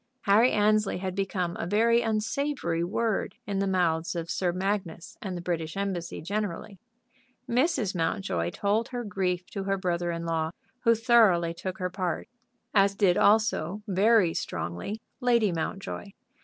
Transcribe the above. Harry Annesley had become a very unsavory word in the mouths of Sir Magnus and the British Embassy generally. Mrs. Mountjoy told her grief to her brother in law, who thoroughly took her part, as did also, very strongly, Lady Mountjoy.